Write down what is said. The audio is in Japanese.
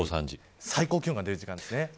最高気温が出る時間です。